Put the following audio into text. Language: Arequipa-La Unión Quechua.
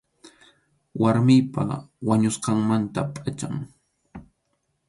Warmiypa wañusqanmanta pacham.